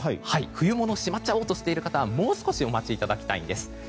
冬物をしまっちゃおうとしている方はもう少しお待ちいただきたいんです。